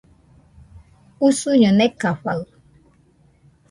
Usuño nekafaɨ